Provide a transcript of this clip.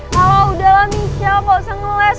kalau udahlah michelle gak usah ngeles